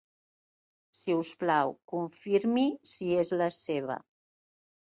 Si us plau, confirmi si és la seva.